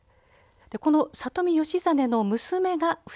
この里見義実の娘が伏姫です。